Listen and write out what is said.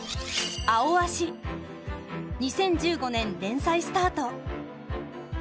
２０１５年連載スタート。